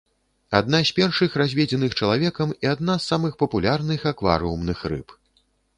Адна з першых разведзеных чалавекам і адна з самых папулярных акварыумных рыб.